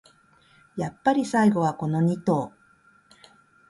やっぱり最後はこのニ頭